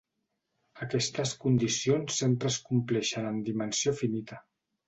Aquestes condicions sempre es compleixen en dimensió finita.